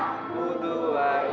n coating di di keep